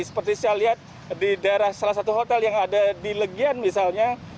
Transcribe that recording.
seperti saya lihat di daerah salah satu hotel yang ada di legian misalnya